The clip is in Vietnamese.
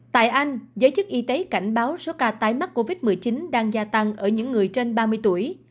tại anh giới chức y tế cảnh báo số ca tái mắc covid một mươi chín đang gia tăng ở những người trên ba mươi tuổi